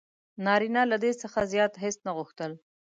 نارینه له دې څخه زیات هیڅ نه غوښتل: